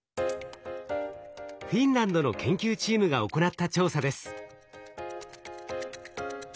フィンランドの研究チームが行った調査です。